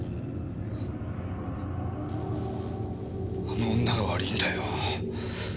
あの女が悪いんだよ。